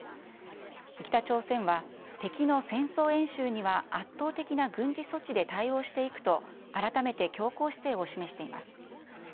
北朝鮮は、敵の戦争演習には圧倒的な軍事措置で対応していくと、改めて強硬姿勢を示しています。